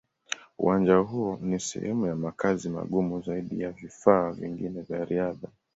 Uwanja huo ni sehemu ya makazi magumu zaidi ya vifaa vingine vya riadha.